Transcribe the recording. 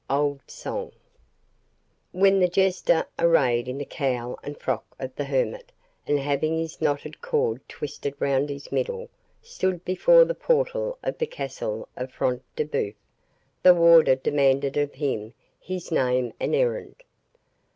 OLD SONG When the Jester, arrayed in the cowl and frock of the hermit, and having his knotted cord twisted round his middle, stood before the portal of the castle of Front de Bœuf, the warder demanded of him his name and errand.